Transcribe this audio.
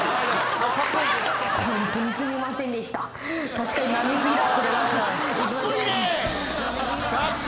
確かになめ過ぎだ。